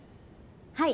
はい。